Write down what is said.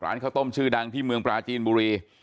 ข้าวต้มชื่อดังที่เมืองปลาจีนบุรี